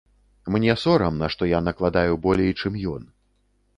Мне сорамна, што я накладаю болей, чым ён.